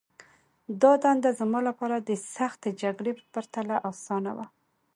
دا دنده زما لپاره د سختې جګړې په پرتله آسانه وه